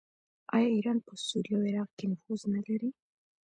آیا ایران په سوریه او عراق کې نفوذ نلري؟